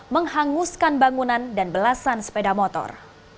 menghanguskan bangunan dan belasan sepeda motor